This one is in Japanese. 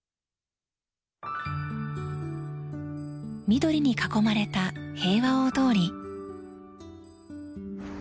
緑に囲まれた平和大通り。